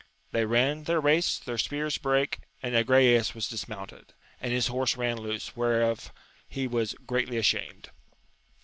They ran their race, their spears brake, and Agrayes was dismounted, and his horse ran loose, whereat he was greatly ashamed.